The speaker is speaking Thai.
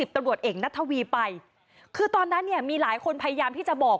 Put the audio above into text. ตำรวจเอกนัทวีไปคือตอนนั้นเนี่ยมีหลายคนพยายามที่จะบอก